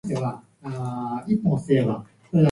離陸します